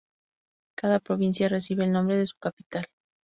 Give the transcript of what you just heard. Cada provincia recibe el nombre de su capital.